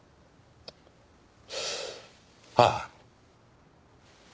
ああ。